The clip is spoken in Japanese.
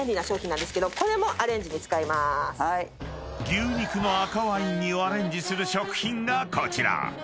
［牛肉の赤ワイン煮をアレンジする食品がこちら］